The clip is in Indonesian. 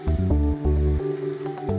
kompleks permukiman pada tenga dari kerawakan